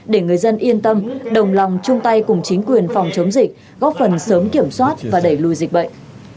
để người dân yên tâm đồng lòng chung tay cùng chính quyền phòng chống dịch góp phần sớm kiểm soát và đẩy lùi dịch bệnh